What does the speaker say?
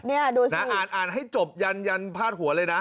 นี่ดูสิน่ะอ่านให้จบยันภาษาหัวเลยนะ